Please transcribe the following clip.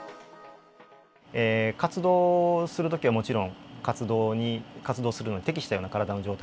活動するときはもちろん活動に活動するのに適したような体の状態にする必要があります。